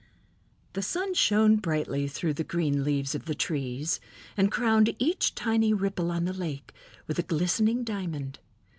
The sun shone brightly through the green leaves of the trees and crowned each tiny ripple on the lake with a glistening diamond.